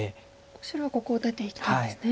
白はここを出ていきたいんですね。